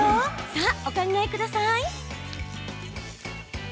さあ、お考えください。